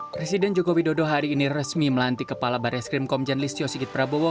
presiden jokowi dodo hari ini resmi melantik kepala baris krimkom jendlis yosikit prabowo